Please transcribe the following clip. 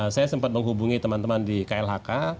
saya sempat menghubungi teman teman di klhk